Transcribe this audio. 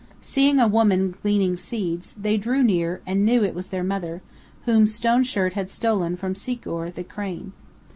Seeing a woman gleaning seeds, they drew near, and knew it was their mother, whom Stone Shirt had stolen from Sikor', the Crane.